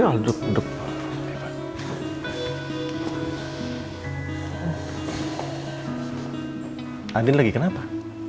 andi lagi kenapa